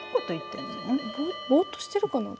ボーっとしてるかな私。